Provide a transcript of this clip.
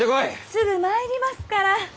すぐ参りますから。